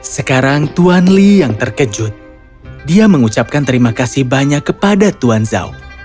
sekarang tuan lee yang terkejut dia mengucapkan terima kasih banyak kepada tuan zhao